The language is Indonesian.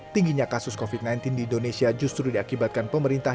tingginya kasus covid sembilan belas di indonesia justru diakibatkan pemerintah